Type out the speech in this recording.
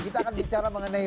kita akan bicara mengenai